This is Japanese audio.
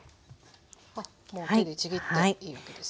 あっもう手でちぎっていいわけですね。